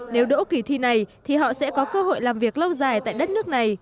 nếu đỗ kỳ thi này thì họ sẽ có cơ hội làm việc lâu dài tại đất nước này